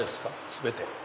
全て。